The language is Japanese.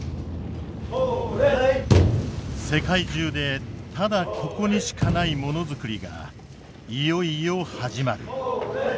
世界中でただここにしかないものづくりがいよいよ始まる。